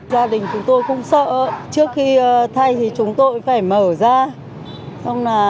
gia đình chúng tôi không sợ trước khi thay thì chúng tôi phải mở ra